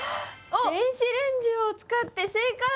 「電子レンジを使って」正解！